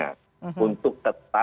untuk tetap produsen minyak goreng berhasil